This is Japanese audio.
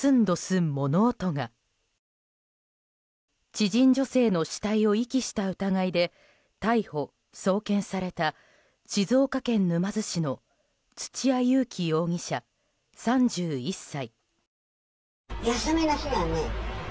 知人女性の死体を遺棄した疑いで逮捕・送検された静岡県沼津市の土屋勇貴容疑者、３１歳。